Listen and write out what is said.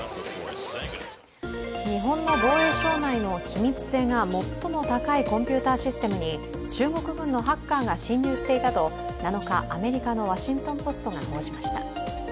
日本の防衛省内の機密性が最も高いコンピューターシステムに中国軍のハッカーが侵入していたと７日、アメリカの「ワシントン・ポスト」が報じました。